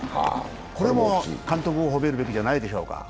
これも監督を褒めるべきではないでしょうか。